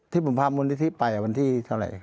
ที่ผมพาบนทิศประจำวันที่เท่าไหร่ครับ